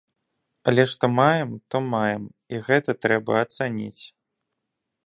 Але што маем, то маем, і гэта трэба ацаніць!